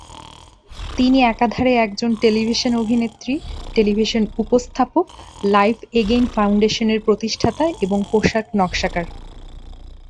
তিনি একাধারে একজন টেলিভিশন অভিনেত্রী, টেলিভিশন উপস্থাপক, লাইফ অ্যাগেইন ফাউন্ডেশনের প্রতিষ্ঠাতা এবং পোশাক নকশাকার।